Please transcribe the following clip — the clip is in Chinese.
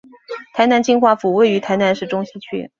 台南金华府位于台南市中西区。